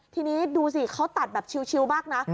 ทีนี้ดูสิเขาตัดแบบชิลมากนะ